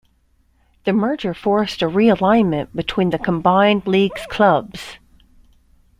The merger forced a realignment between the combined league's clubs.